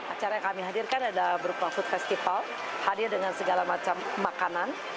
acara yang kami hadirkan ada berupa food festival hadir dengan segala macam makanan